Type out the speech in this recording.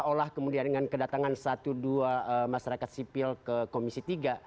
seolah kemudian dengan kedatangan satu dua masyarakat sipil ke komisi tiga